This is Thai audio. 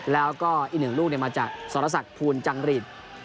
แล้วก็อีกหนึ่งลูกเนี่ยมาจากสรษะศักดิ์ภูมิจังฤทธิ์